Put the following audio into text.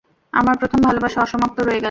আমার প্রথম ভালোবাসা অসমাপ্ত রয়ে গেলো।